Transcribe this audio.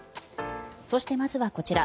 そして、まずはこちら。